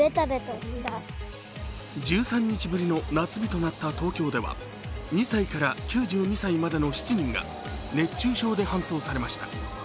１３日ぶりの夏日となった東京では、２歳から９２歳までの７人が熱中症で搬送されました。